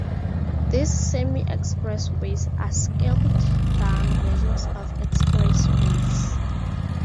These semi-expressways are scaled down versions of expressways.